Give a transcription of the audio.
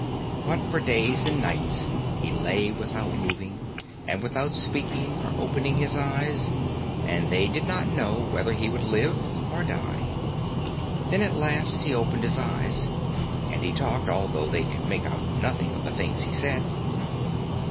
But for days and nights he lay without moving and without speaking or opening his eyes, and they did not know whether he would live or die. Then, at last, he opened his eyes. And he talked, although they could make out nothing of the things he said.